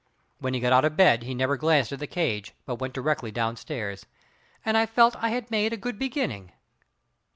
When he got out of bed he never glanced at the cage, but went directly downstairs, and I felt I had made a good beginning.